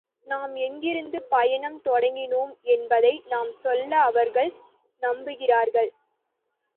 நாம் எங்கிருந்து பயணம் தொடங்கினோம் என்பதை நாம் சொல்ல அவர்கள் நம்புகிறார்கள்.